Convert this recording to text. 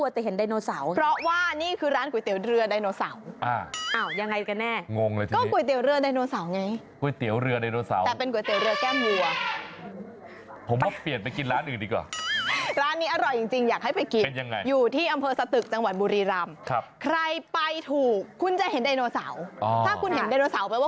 ถ้าคุณเห็นไดโนเสาร์แปลว่าคุณจะไปทานก๋วยเตี๋ยวแก้มวัว